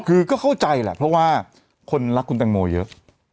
คือก็เข้าใจแหละเพราะว่าคนรักคุณแตงโมเยอะ